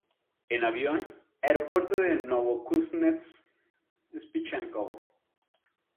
En avión: Aeropuerto de Novokuznetsk-Spichenkovo.